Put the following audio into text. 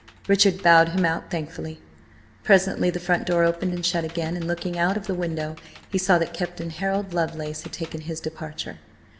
Richard bowed him out thankfully. Presently the front door opened and shut again, and looking out of the window he saw that Captain Harold Lovelace had taken his departure.